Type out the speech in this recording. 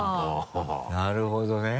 なるほどね。